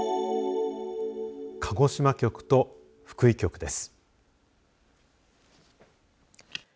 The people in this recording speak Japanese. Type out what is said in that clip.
鹿児島局と福井局です。